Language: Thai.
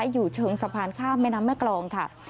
อยู่เชิงสะพานข้ามแม่น้ำแม่กรองค่ะ